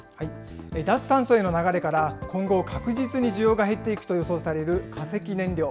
脱炭素への流れから、今後、確実に需要が減っていくと予想される化石燃料。